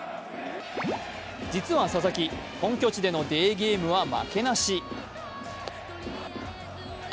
実は佐々木、本拠地でのデーゲームは負けなし。